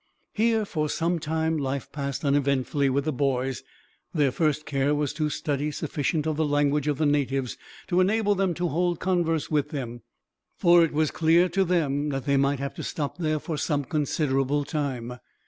Here, for some time, life passed uneventfully with the boys. Their first care was to study sufficient of the language of the natives to enable them to hold converse with them, for it was clear to them that they might have to stop there for some considerable time.